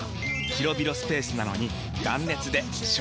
広々スペースなのに断熱で省エネ！